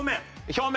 表面。